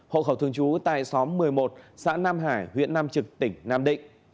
hộ khẩu thường trú tại xóm một mươi một xã nam hải huyện nam trực tỉnh nam định